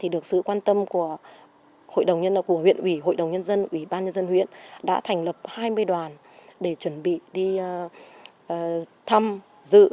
được sự quan tâm của huyện huyện huyện hội đồng nhân dân huyện ban nhân dân huyện đã thành lập hai mươi đoàn để chuẩn bị đi thăm dự